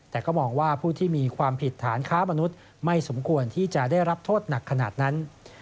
แต่ก็มองว่าผู้ที่มีความผิดฐานค้ามนุษย์ไม่สมควรที่จะได้รับโทษหนักขนาดนั้น